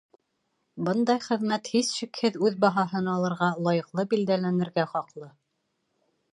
Бындай хеҙмәт, һис шикһеҙ, үҙ баһаһын алырға, лайыҡлы билдәләнергә хаҡлы.